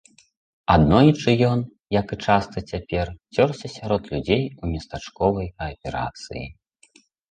Аднойчы ён, як і часта цяпер, цёрся сярод людзей у местачковай кааперацыі.